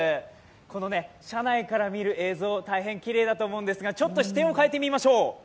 この車内から見る映像、大変きれいだと思うんですが、ちょっと視点を変えてみましょう。